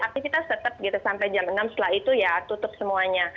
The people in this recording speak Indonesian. aktivitas tetap gitu sampai jam enam setelah itu ya tutup semuanya